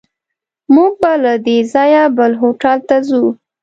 موږ به له دې ځایه بل هوټل ته ځو.